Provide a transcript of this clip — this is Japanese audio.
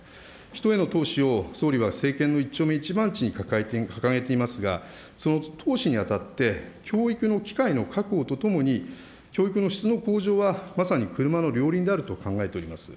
人への投資を総理は政権の一丁目一番地に掲げていますが、その投資にあたって、教育の機会の確保とともに、教育の質の向上は、まさに車の両輪であると考えております。